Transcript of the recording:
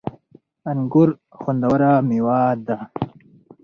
انګور خوندوره مېوه ده